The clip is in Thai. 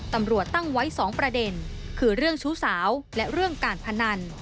ตำรวจตั้งไว้๒ประเด็นคือเรื่องชู้สาวและเรื่องการพนัน